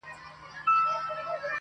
دنیا فاني ده بیا به وکړی ارمانونه!.